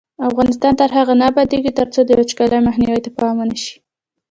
افغانستان تر هغو نه ابادیږي، ترڅو د وچکالۍ مخنیوي ته پام ونشي.